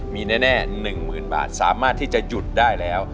ขอบคุณมากครับ